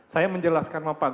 saya menjelaskan sama pak gup